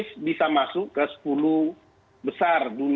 optimis bisa masuk ke sepuluh besar dunia